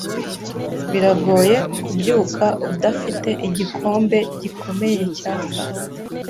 Biragoye kubyuka udafite igikombe gikomeye cya kawa.